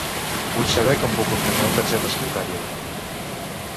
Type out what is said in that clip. Vull saber com puc obtenir la targeta sanitària.